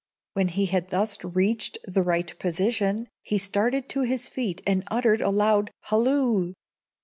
When he had thus reached the right position, he started to his feet and uttered a loud halloo!